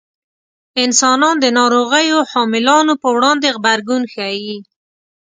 انسانان د ناروغیو حاملانو په وړاندې غبرګون ښيي.